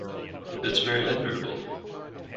That's very admirable.